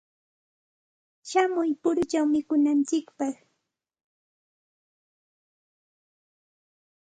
Shamuy puruchaw mikunantsikpaq.